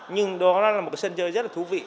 nhưng đó là một sân chơi rất là thú vị